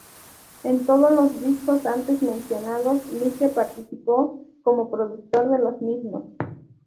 En todos los discos antes mencionados Mike participó como productor de los mismos.